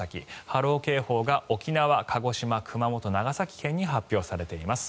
波浪警報が沖縄、鹿児島熊本、長崎県に発表されています。